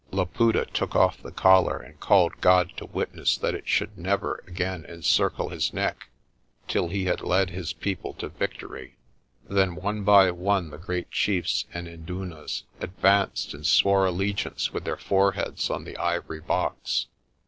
Laputa took off the collar and called God to witness that it should never again encircle his neck till he had led his people to victory. Then one by one the great chiefs and indunas advanced and swore allegiance with their foreheads on the ivory box.